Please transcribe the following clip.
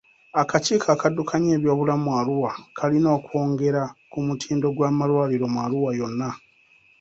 Akakiiko akaddukanya ebyobulamu mu Arua kalina okwongera ku mutindo gw'amalwaliro mu Arua yonna.